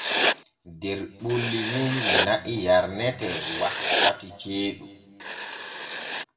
Der ɓulli nun na'i yarnete wankati ceeɗu.